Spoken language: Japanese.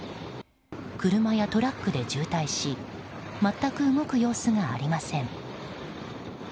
車やトラックで渋滞し全く動く様子がありません。